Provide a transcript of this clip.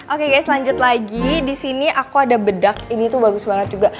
oke guys lanjut lagi disini aku ada bedak ini tuh bagus banget juga